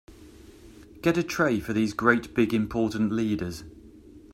Get a tray for these great big important leaders.